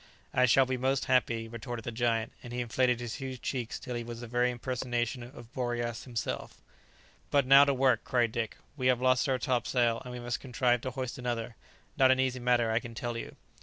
"I shall be most happy," retorted the giant, and he inflated his huge checks till he was the very impersonation of Boreas himself. "But now to work!" cried Dick; "we have lost our topsail, and we must contrive to hoist another. Not an easy matter, I can tell you."